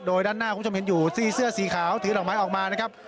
โดยด้านหน้าคุณผู้ชมเห็นอยู่ซี่เสื้อสีขาวถือดอกไม้ออกมานะครับ